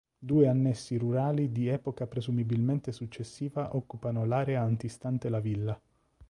Due annessi rurali di epoca presumibilmente successiva occupano l'area antistante la villa.